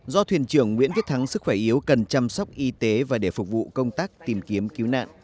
do thuyền trưởng nguyễn viết thắng sức khỏe yếu cần chăm sóc y tế và để phục vụ công tác tìm kiếm cứu nạn